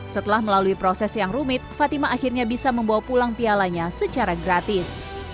setelah melalui proses yang rumit fatima akhirnya bisa membawa pulang pialanya secara gratis